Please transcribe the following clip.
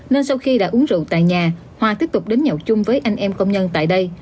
nên sau khi đã uống rượu tại nhà hoa tiếp tục đến nhậu chung với anh em công nhân tại đây